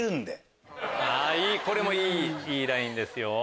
これもいいラインですよ。